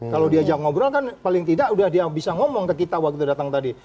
kalau diajak ngobrol kan paling tidak udah dia bisa ngomong ke kita waktu datang tadi